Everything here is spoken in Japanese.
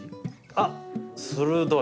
あっ鋭い。